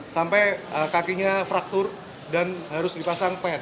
sampai kakinya fraktur dan harus dipasang pet